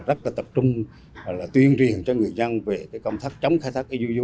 rất tập trung tuyên truyền cho ngư dân về công thức chống khai thác iuu